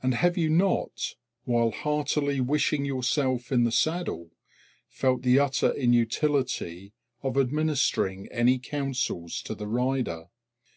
And have you not, while heartily wishing yourself in the saddle, felt the utter inutility of administering any counsels to the rider?